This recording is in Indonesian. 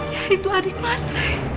ya itu adik mas rey